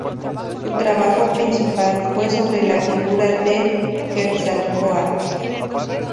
Su trabajo principal fue sobre la figura de Quetzalcóatl.